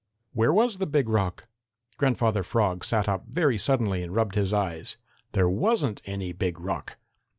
Where was the Big Rock? Grandfather Frog sat up very suddenly and rubbed his eyes. There wasn't any Big Rock!